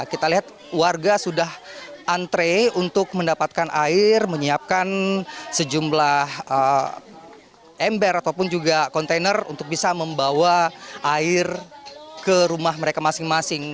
kita lihat warga sudah antre untuk mendapatkan air menyiapkan sejumlah ember ataupun juga kontainer untuk bisa membawa air ke rumah mereka masing masing